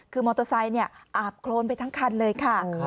คือมอเตอร์ไซค์อาบโครนไปทั้งคันเลยค่ะ